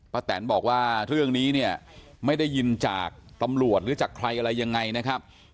แตนบอกว่าเรื่องนี้เนี่ยไม่ได้ยินจากตำรวจหรือจากใครอะไรยังไงนะครับ